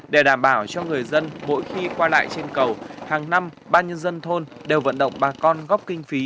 để đảm bảo cho người dân mỗi khi qua lại trên cầu hàng năm ban nhân dân thôn đều vận động bà con góp kinh phí